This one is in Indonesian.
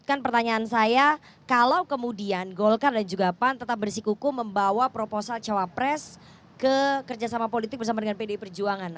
kan sampai hari ini mereka bawa proposal itu